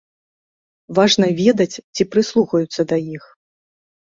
Важна ведаць, ці прыслухаюцца да іх.